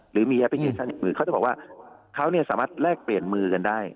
หรือมีมือเขาจะว่าเขาน่ะสามารถแรกเปลี่ยนมือกันได้